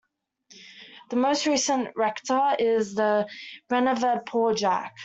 The most recent rector is the Reverend Paul Jack.